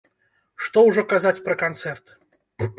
Што ўжо казаць пра канцэрт!